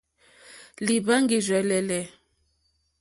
Lìhváŋgìrzèlèlè.